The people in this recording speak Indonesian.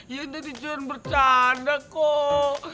iya tadi cuman bercanda kok